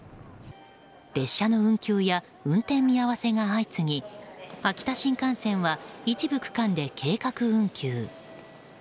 列車の運休や運転見合わせが相次ぎ秋田新幹線は一部区間で計画運休。